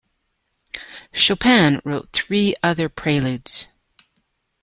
Chopin wrote three other preludes.